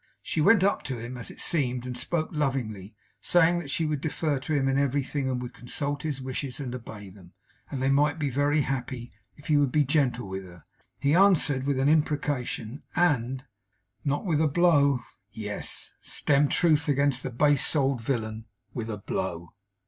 She went up to him, as it seemed, and spoke lovingly; saying that she would defer to him in everything and would consult his wishes and obey them, and they might be very happy if he would be gentle with her. He answered with an imprecation, and Not with a blow? Yes. Stern truth against the base souled villain; with a blow.